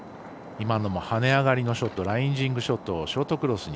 今のも跳ね上がりのショットライジングショットをショートクロスに。